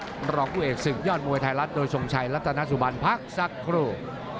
ตอนรองผู้เอกสึกยอดมวยไทยรัฐโดยสงชัยรัตนสุบันภักษกรุ